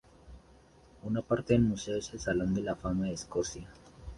Una parte del museo es el Salón de la Fama de Escocia.